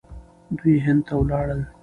دوی هند ته ولاړل.